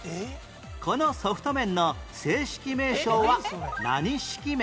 このソフト麺の正式名称は何式麺？